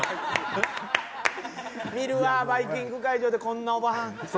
見るわバイキング会場でこんなオバハン。